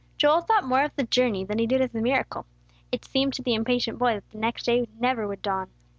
Joel thought more of the journey than he did of the miracle. It seemed to the impatient boy that the next day never would dawn.